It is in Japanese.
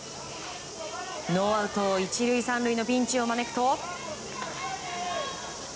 ノーアウト１塁３塁のピンチを招くと。